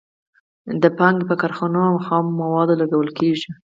دا پانګه په کارخانو او خامو موادو لګول کېږي